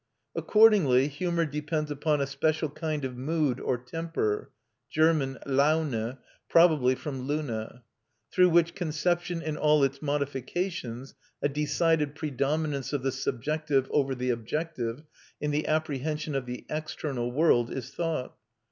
Accordingly humour depends upon a special kind of mood or temper (German, Laune, probably from Luna) through which conception in all its modifications, a decided predominance of the subjective over the objective in the apprehension of the external world, is thought.